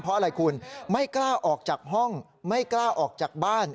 เพราะอะไรคุณไม่กล้าออกจากห้องไม่กล้าออกจากบ้าน